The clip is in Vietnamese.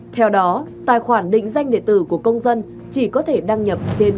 theo đó tài khoản định danh địa tử của công dân chỉ có thể đăng nhập trên